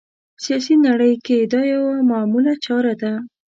سیاسي نړۍ کې دا یوه معموله چاره ده